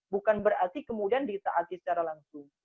bukan berarti kemudian ditaati secara langsung